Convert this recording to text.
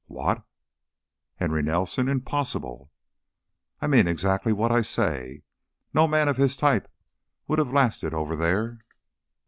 "What?" "Henry Nelson?" "Impossible!" "I mean exactly what I say. No man of his type could have lasted over there.